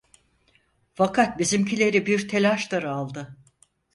Fakat bizimkileri bir telaştır aldı.